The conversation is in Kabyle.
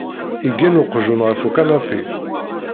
Igen uqjun ɣef ukanapi.